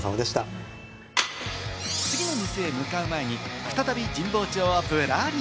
次の店へ向かう前に、再び神保町をぶらり。